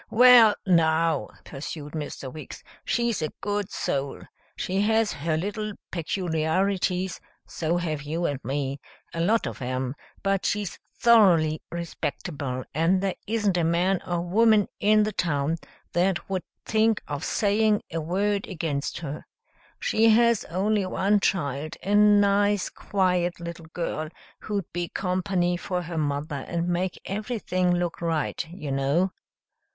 "Well, now," pursued Mr. Weeks, "she's a good soul. She has her little peculiarities; so have you and me, a lot of 'em; but she's thoroughly respectable, and there isn't a man or woman in the town that would think of saying a word against her. She has only one child, a nice, quiet little girl who'd be company for her mother and make everything look right, you know."